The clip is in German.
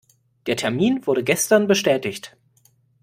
Der Termin wurde gestern bestätigt.